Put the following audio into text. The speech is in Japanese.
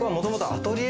アトリエ！